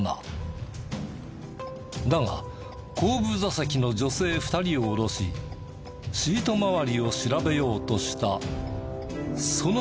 だが後部座席の女性２人を降ろしシートまわりを調べようとしたその時だった。